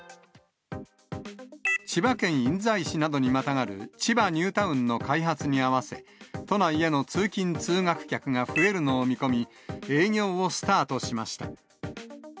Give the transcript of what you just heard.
千葉県印西市などにまたがる千葉ニュータウンの開発に合わせ、都内への通勤・通学客が増えるのを見込み、営業をスタートしました。